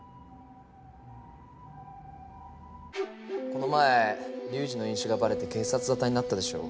この前龍二の飲酒がバレて警察沙汰になったでしょ？